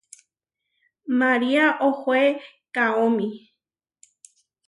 María ohoé kaómi.